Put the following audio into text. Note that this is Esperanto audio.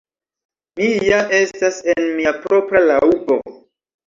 Mi ja estas en mia propra laŭbo.